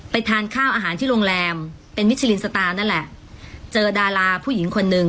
ไปทานข้าวอาหารที่โรงแรมเป็นนั่นแหละเจอดาราผู้หญิงคนนึง